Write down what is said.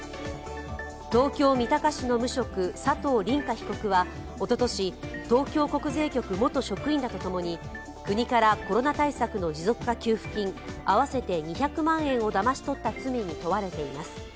東京・三鷹市の無職、佐藤凛夏被告はおととし、東京国税局元職員らとともに国からコロナ対策の持続化給付金合わせて２００万円をだまし取った罪に問われています。